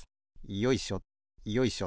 よいしょよいしょ。